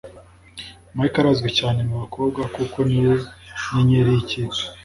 mike arazwi cyane mubakobwa kuko niwe nyenyeri yikipe